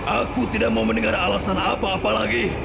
aku tidak mau mendengar alasan apa apa lagi